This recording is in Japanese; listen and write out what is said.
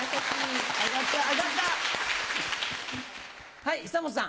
はい久本さん。